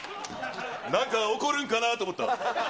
なんか起こるんかな？と思った？